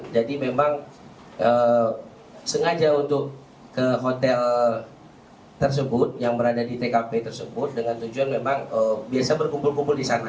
jadi memang sengaja untuk ke hotel tersebut yang berada di tkp tersebut dengan tujuan memang biasa berkumpul kumpul di sana